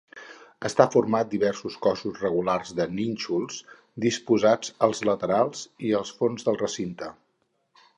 Està format diversos cossos rectangulars de nínxols, disposats als laterals i al fons del recinte.